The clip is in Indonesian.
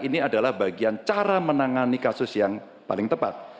ini adalah bagian cara menangani kasus yang paling tepat